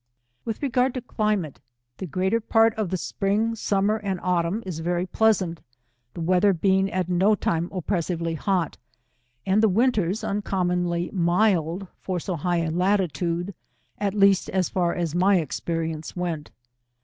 With regard to climate, th« greater part of the spring, summer, and autumn, is very pleasant, the weather being at no time oppressively hot, and the winters uncommonly mild, for so high a latitude, at least as far as ray experience went.